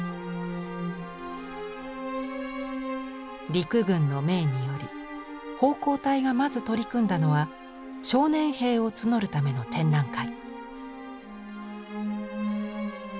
陸軍の命により奉公隊がまず取り組んだのは「少年兵」を募るための展覧会。